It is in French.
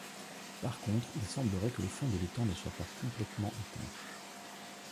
Par contre, il semblerait que le fond de l'étang ne soit pas complètement étanche.